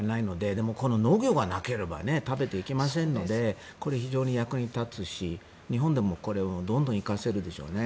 でもこの農業がなければ食べていけませんのでこれは非常に役に立つし日本でも、これはどんどん生かせるでしょうね。